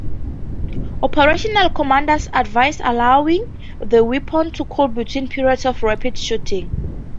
Operational commanders advised allowing the weapon to cool between periods of rapid shooting.